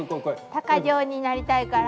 鷹匠になりたいから。